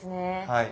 はい。